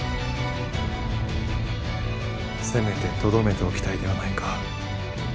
せめてとどめておきたいではないか。